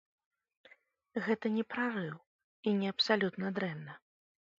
Гэта не прарыў і не абсалютна дрэнна.